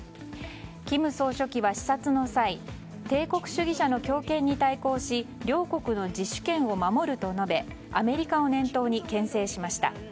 金総書記は視察の際帝国主義者の強権に対抗し両国の自主権を守ると述べアメリカを念頭に牽制しました。